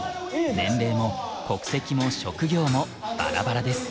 年齢も国籍も職業もバラバラです。